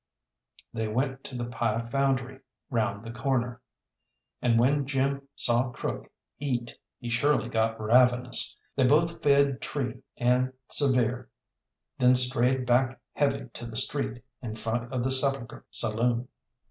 They went to the pie foundry round the corner, and when Jim saw Crook eat he surely got ravenous. They both fed tree and severe, then strayed back heavy to the street in front of the Sepulchre saloon.